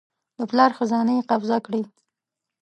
د پلار خزانې یې قبضه کړې.